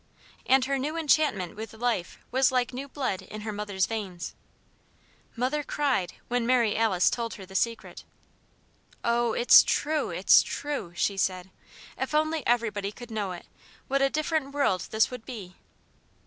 And her new enchantment with life was like new blood in her mother's veins. Mother cried when Mary Alice told her the Secret. "Oh, it's true! it's true!" she said. "If only everybody could know it, what a different world this would be!"